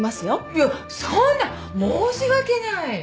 いやそんな申し訳ない。